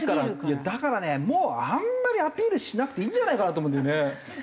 だからねもうあんまりアピールしなくていいんじゃないかなと思うんだよね。